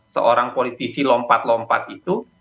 seorang politisi lompat lompat itu